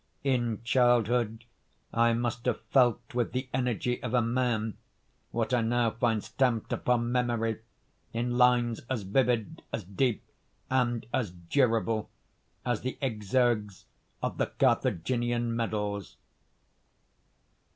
In childhood I must have felt with the energy of a man what I now find stamped upon memory in lines as vivid, as deep, and as durable as the exergues of the Carthaginian medals.